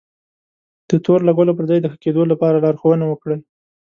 د تور لګولو پر ځای د ښه کېدو لپاره لارښونه وکړئ.